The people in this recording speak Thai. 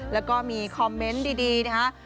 แล้วก็มีคอมเมนต์ดีนะคะ